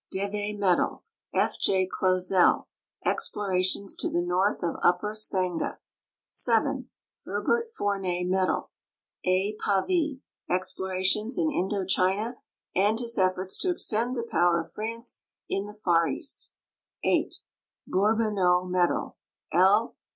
JJeicez Medal, F. J. Clozel, Explorations to the north of Upper Sangha ; 7. Herbert Fournel Medal, A. Pavie, Explorations in Indo China and his efforts to extend the power of France in the far East; 8. Bourbonnaud Medal, L.